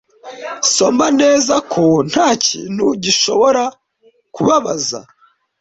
soma neza ko ntakintu gishobora kubabaza